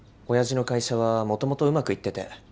親父の会社はもともとうまくいってて。